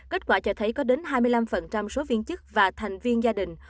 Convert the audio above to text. kết quả cho thấy có đến hai mươi năm số viên chức và thành viên gia đình